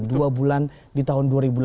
dua bulan di tahun dua ribu delapan belas